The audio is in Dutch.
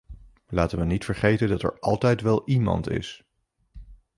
Laten we niet vergeten dat er altijd wel iemand is...